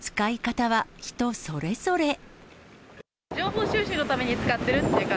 情報収集のために使ってるっ